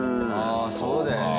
あそうだよね。